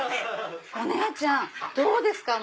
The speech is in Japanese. お姉ちゃんどうですか？